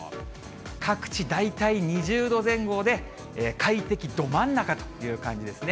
各地大体２０度前後で、快適ど真ん中という感じですね。